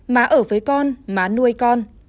má ở với con má nuôi con